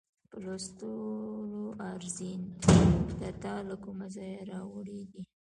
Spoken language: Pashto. په لوستلو ارزي، دا تا له کومه ځایه راوړې دي؟